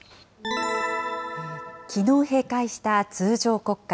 きのう閉会した通常国会。